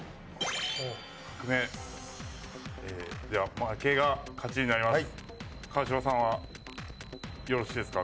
負けが勝ちになります。